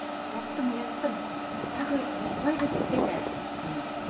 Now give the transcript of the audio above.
Уяттым-уяттым, тағы йоҡлай ҙа китәләр, - тине.